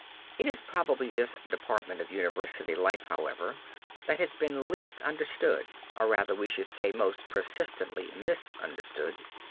It is probably this department of University life, however, that has been least understood, or rather we should say most persistently misunderstood.